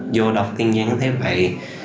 vô đọc tin nhắn thấy vậy